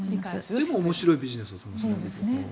でも面白いビジネスだなと。